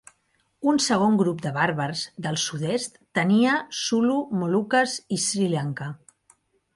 Un segon grup de bàrbars del sud-est tenia Sulu, Moluques, i Sri Lanka.